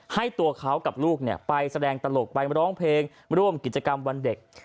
ให้ตัวเขากับลูกไปแสดงตลกไปร้องเพลงร่วมกิจกรรมวันเด็ก